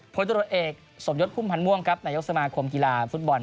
โพยตรวจเอกสมยดภูมิพันธ์ม่วงนายกสมาคมกีฬาฟุตบอล